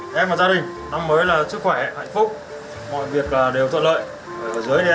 em cũng gửi lời chúc đến toàn thể các triển sĩ hương an có một cái tết thật vui vẻ và đầm ấm